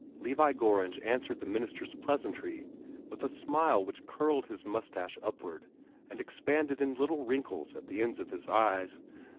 Levi Gorringe answered the minister's pleasantry with a smile which curled his mustache upward, and expanded in little wrinkles at the ends of his eyes.